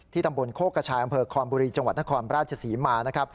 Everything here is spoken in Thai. ที่ตำบลโคกระชายอำเภอคอนบุรีจังหวัดนครประราชสีมาร์